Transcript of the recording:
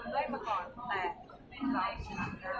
แล้วอาจได้รับความความหวังกันกันได้